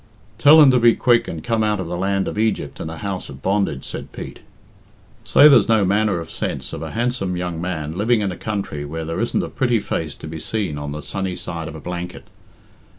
"Tell him to be quick and come out of the land of Egypt and the house of bondage," said Pete. "Say there's no manner of sense of a handsome young man living in a country where there isn't a pretty face to be seen on the sunny side of a blanket.